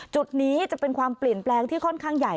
จุดนี้จะเป็นความเปลี่ยนแปลงที่ค่อนข้างใหญ่